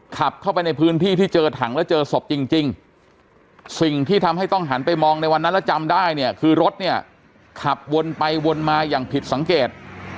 ขับเข้าไปในพื้นที่ที่เจอถังแล้วเจอศพจริงสิ่งที่ทำให้ต้องหันไปมองในวันนั้นแล้วจำได้เนี่ยคือรถเนี่ยขับวนไปวนมาอย่างผิดสังเกต